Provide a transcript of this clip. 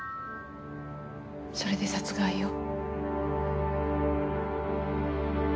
それで殺害を？